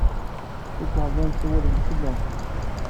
Cikkeɣ llan ssawalen fell-am.